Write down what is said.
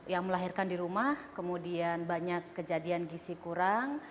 yang melahirkan di rumah kemudian banyak kejadian gisi kurang